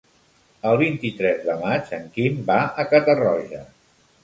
El vint-i-tres de maig en Quim va a Catarroja.